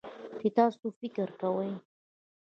چې تاسو فکر کوئ